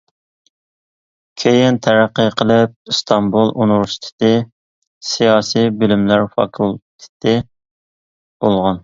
كېيىن تەرەققىي قىلىپ، ئىستانبۇل ئۇنىۋېرسىتېتى سىياسىي بىلىملەر فاكۇلتېتى بولغان.